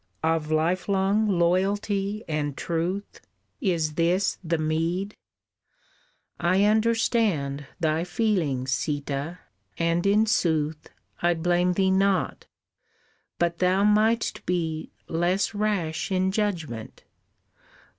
Of lifelong loyalty and truth Is this the meed? I understand Thy feelings, Sîta, and in sooth I blame thee not, but thou mightst be Less rash in judgement.